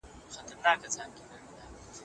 ښځې او نجونې د ټولنې نیمه برخه جوړوي.